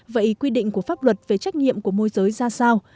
vậy quy định của pháp luật về trách nhiệm của môi giới ra sao